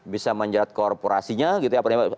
bisa menjerat korporasinya gitu ya